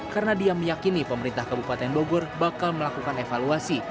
karena dia meyakini pemerintah kabupaten bogor bakal melakukan evaluasi